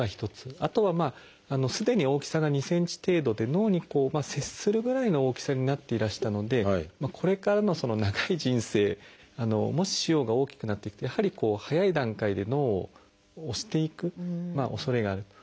あとはすでに大きさが２ｃｍ程度で脳に接するぐらいの大きさになっていらしたのでこれからの長い人生もし腫瘍が大きくなっていくとやはり早い段階で脳を押していくおそれがあると。